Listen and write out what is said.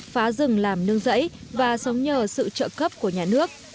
phá rừng làm nương rẫy và sống nhờ sự trợ cấp của nhà nước